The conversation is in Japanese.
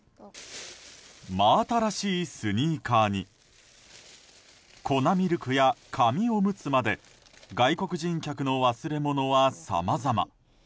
真新しいスニーカーに粉ミルクや紙おむつまで外国人客の忘れ物はさまざま。